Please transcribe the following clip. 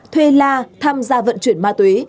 thuê la tham gia vận chuyển ma túy